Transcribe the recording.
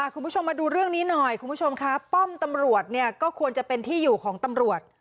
คุณผู้ชมมาดูเรื่องนี้หน่อยคุณผู้ชมครับป้อมตำรวจเนี่ยก็ควรจะเป็นที่อยู่ของตำรวจ